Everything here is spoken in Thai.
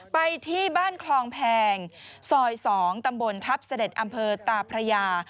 ไปที่บ้านคลองแพงซอย๒ตำบลทัพเสด็จอำเภอตาพระยา